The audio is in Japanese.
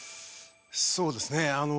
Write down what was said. そうですね。